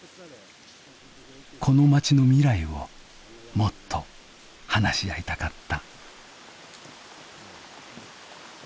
この町の未来をもっと話し合いたかった。